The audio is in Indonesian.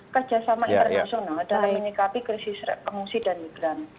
kerjasama internasional dalam menikapi krisis emosi dan migran